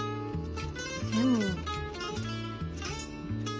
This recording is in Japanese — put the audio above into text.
でも。